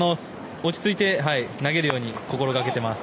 落ち着いて投げるように心がけてます。